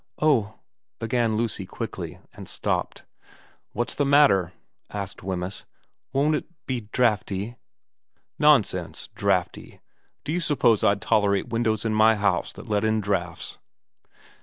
' Oh ' began Lucy quickly ; and stopped. ' What's the matter ?' asked Wemyss. ' Won't it be draughty ?' 4 Nonsense. Draughty. Do you suppose I'd tolerate windows in my house that let in draughts